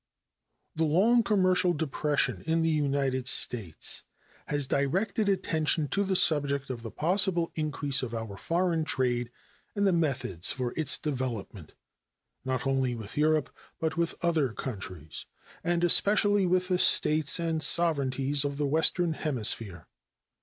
The long commercial depression in the United States has directed attention to the subject of the possible increase of our foreign trade and the methods for its development, not only with Europe, but with other countries, and especially with the States and sovereignties of the Western Hemisphere.